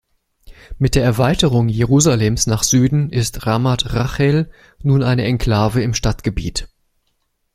Mit der Erweiterung Jerusalems nach Süden ist Ramat Rachel nun eine Enklave im Stadtgebiet.